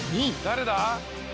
誰だ？